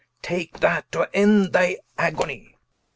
take that, to end thy agonie.